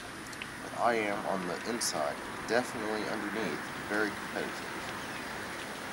But I am on the inside, definitely - underneath, very competitive.